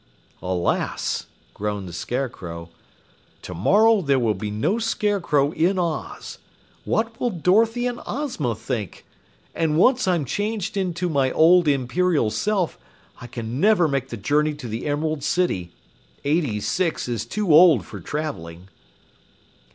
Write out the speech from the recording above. "Alas!" groaned the Scarecrow. "Tomorrow there will be no Scarecrow in Oz. What will Dorothy and Ozma think? And once I am changed into my old Imperial self, I can never make the journey to the Emerald City. Eighty six is too old for traveling."